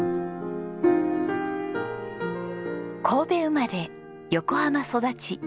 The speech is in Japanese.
神戸生まれ横浜育ち。